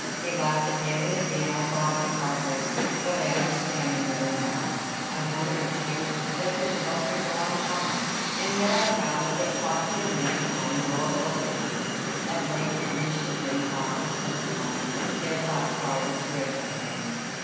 He laughed again, and again I thought him heartless; but I understand him better now. I wondered, too, that Percivale could go on talking, and yet I found that their talk did make the time go a little quicker. At length we reached the printing office of "The Times," near Blackfriars' Bridge, I think.